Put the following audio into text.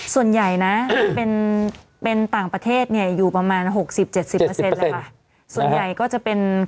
ส่วนใหญ่นะเป็นต่างประเทศเนี่ยอยู่ประมาณ๖๐๗๐เลยค่ะส่วนใหญ่ก็จะเป็น